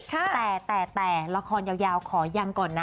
แต่แต่ละครยาวขอยำก่อนนะ